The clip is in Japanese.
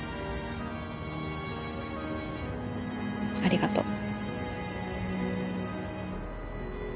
ありがとう。